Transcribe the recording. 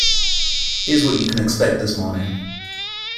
Here's what you can expect this morning.